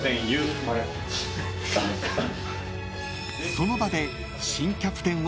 ［その場で］